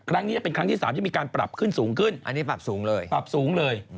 ครั้งนี้จะเป็นครั้งที่๓ที่มีการปรับขึ้นสูงขึ้นอันนี้ปรับสูงเลยปรับสูงเลย